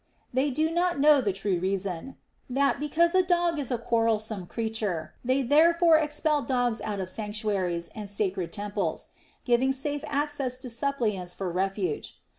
They do not know the true reason, — that, because a dog is a quarrelsome creature, they therefore expel dogs out of sanctuaries and sacred temples, giving safe access to suppliants for refuge.